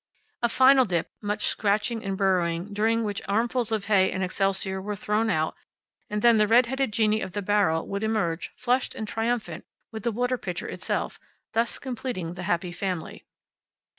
A final dip, much scratching and burrowing, during which armfuls of hay and excelsior were thrown out, and then the red headed genie of the barrel would emerge, flushed and triumphant, with the water pitcher itself, thus completing the happy family.